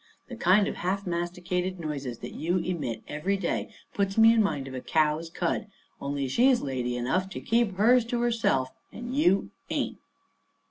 The kind of half masticated noises that you emit every day puts me in mind of a cow's cud, only she's lady enough to keep hers to herself, and you ain't."